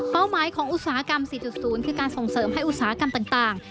เป้าหมายของอุตสาหกรรมสี่จุดศูนย์คือการส่งเสริมให้อุตสาหกรรมต่างต่าง